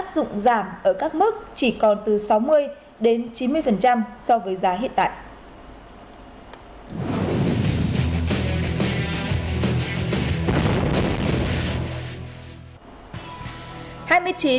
giá vé tàu sẽ được áp dụng giảm ở các mức chỉ còn từ sáu mươi đến chín mươi so với giá hiện tại